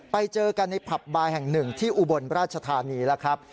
ไปเจอกันในผับบายแห่งหนึ่งที่อุบลราชธานีแล้วครับ